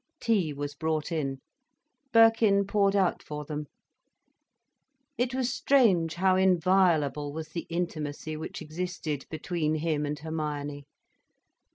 Tea was brought in. Birkin poured out for them. It was strange how inviolable was the intimacy which existed between him and Hermione.